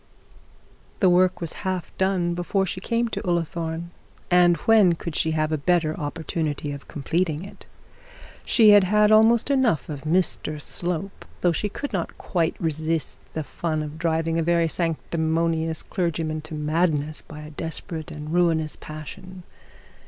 The work was half done before she came to Ullathorne, and when could she have a better opportunity of completing it? She had had almost enough of Mr Slope, though she could not quite resist the fun of driving a very sanctimonious clergyman to madness by a desperate and ruinous passion.